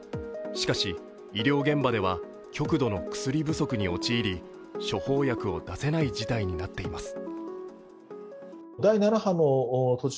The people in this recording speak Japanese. しかし医療現場では極度の薬不足に陥り、処方薬を出せない事態になっています。